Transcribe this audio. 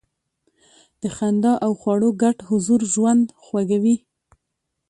د خندا او خواړو ګډ حضور ژوند خوږوي.